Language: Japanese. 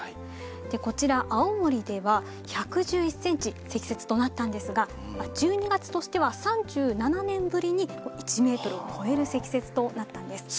こちら、青森では１１１センチ、積雪となったんですが、１２月としては３７年ぶりに、１メートルを超える積雪となったんです。